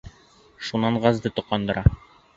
Шунан газды тоҡандыра.